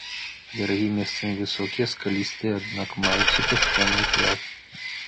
Берагі месцамі высокія, скалістыя, аднак маюцца пясчаныя пляжы.